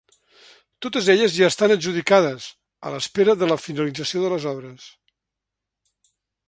Totes elles ja estan adjudicades, a l’espera de la finalització de les obres.